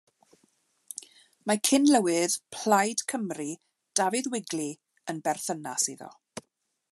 Mae cyn-lywydd Plaid Cymru, Dafydd Wigley, yn berthynas iddo.